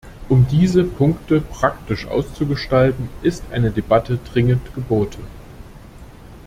Um diese Punkte praktisch auszugestalten, ist eine Debatte dringend geboten.